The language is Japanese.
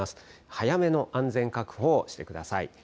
早めの安全確保をしてください。